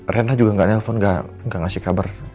rena juga nggak nelfon gak ngasih kabar